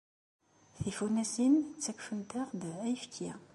Tifunasin ttakfent-aɣ-d akeffay.